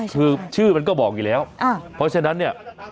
คือชื่อมันก็บอกอยู่แล้วเพราะฉะนั้นเนี่ย